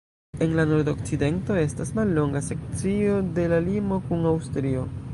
En la nordokcidento estas mallonga sekcio de la limo kun Aŭstrio.